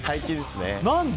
何で？